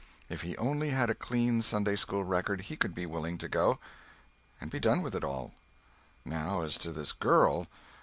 If he only had a clean Sunday school record he could be willing to go, and be done with it all. Now as to this girl.